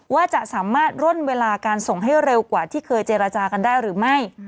ว่าจะสามารถร่นเวลาการส่งให้เร็วกว่าที่เคยเจรจากันได้หรือไม่